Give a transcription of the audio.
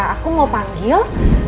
aku mau panggil